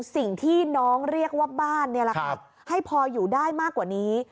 สิ่งที่น้องเรียกว่าบ้านนี่แหละครับให้พออยู่ได้มากกว่านี้